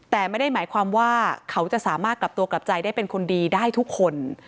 แต่ไม่ได้หมายความว่าเขาจะสามารถกลับตัวกลับใจได้เป็นคนดีได้ทุกคน